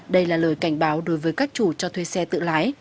đây là lời cảnh báo đối với các chủ cho thuê xe tự lái